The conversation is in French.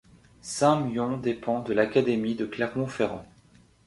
Saint-Myon dépend de l'académie de Clermont-Ferrand.